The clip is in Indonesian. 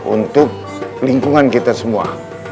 untuk lingkungan kita semua